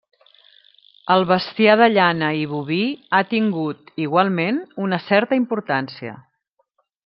El bestiar de llana i boví ha tingut, igualment, una certa importància.